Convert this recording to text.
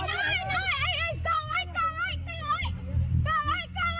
กลัวไว้